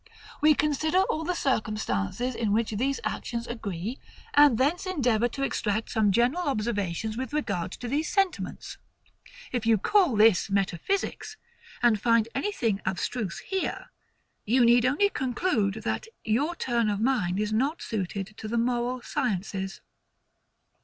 We consider all the circumstances in which these actions agree, and thence endeavour to extract some general observations with regard to these sentiments. If you call this metaphysics, and find anything abstruse here, you need only conclude that your turn of mind is not suited to the moral sciences.